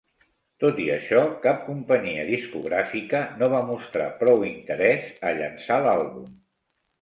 Tot i això, cap companyia discogràfica no va mostrar prou interès a llançar l'àlbum.